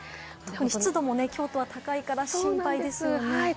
湿度も京都は高いから心配ですよね。